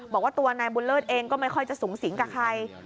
บอกว่าตัวนายบุญเลิศเองก็ไม่ค่อยจะสูงสิงกับใคร